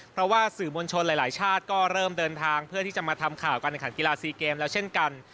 เพราะว่าสื่อมวลชนหลายชาติก็เริ่มเดินทางเพื่อที่จะมาทำข่าวการแข่งขันกีฬาซีเกมแล้วเช่นกัน